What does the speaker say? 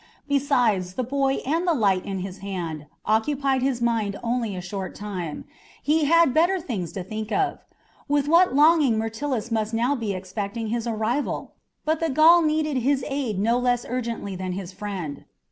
Besides, the boy and the light in his hand occupied his mind only a short time. He had better things to think of. With what longing Myrtilus must now be expecting his arrival! But the Gaul needed his aid no less urgently than his friend.